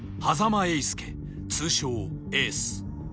永介通称エース